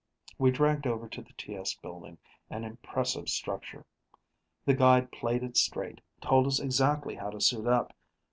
We dragged over to the TS building, an impressive structure. The guide played it straight, told us exactly how to suit up.